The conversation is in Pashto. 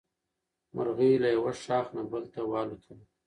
مرغۍ له یو ښاخ نه بل ته والوتله.